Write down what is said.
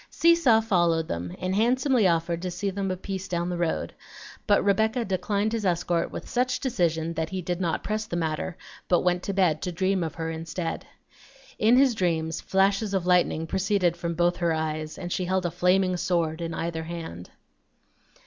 Seesaw followed them and handsomely offered to see them "apiece" down the road, but Rebecca declined his escort with such decision that he did not press the matter, but went to bed to dream of her instead. In his dreams flashes of lightning proceeded from both her eyes, and she held a flaming sword in either hand.